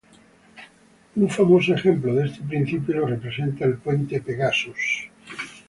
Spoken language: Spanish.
Un famoso ejemplo de este principio lo representa el puente Pegasus.